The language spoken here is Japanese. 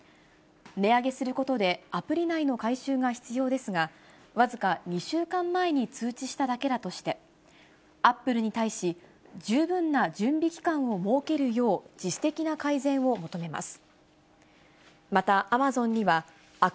値上げすることで、アプリ内の改修が必要ですが、僅か２週間前に通知しただけだとして、アップルに対し、十分な準備期間を設けるよう自主的な改善を求めます。